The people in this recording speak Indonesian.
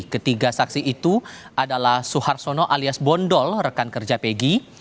ketiga saksi itu adalah suhartono alias bondol rekan kerja peggy